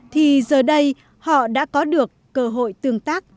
thì giờ đây họ đã có được cơ hội tương tác